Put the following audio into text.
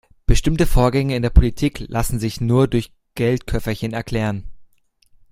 Bestimmte Vorgänge in der Politik lassen sich nur durch Geldköfferchen erklären.